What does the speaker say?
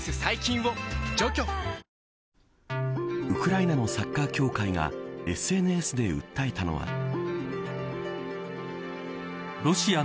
ウクライナのサッカー協会がＳＮＳで訴えたのは。